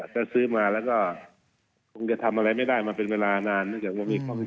ถ้าซื้อมาแล้วก็คงจะทำอะไรไม่ได้มาเป็นเวลานานเนื่องจากว่ามีความผิด